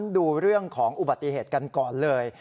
ดูเรื่องของอุบัติเหตุกันก่อนเลย